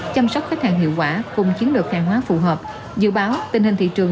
chăm sóc khách hàng hiệu quả cùng chiến lược hàng hóa phù hợp dự báo tình hình thị trường